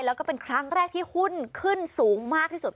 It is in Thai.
แล้วก็เป็นครั้งแรกที่หุ้นขึ้นสูงมากที่สุด